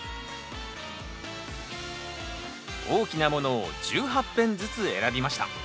大きなものを１８片ずつ選びました。